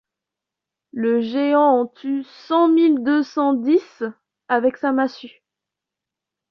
Le géant en tue cent mille deux cent dix avec sa massue.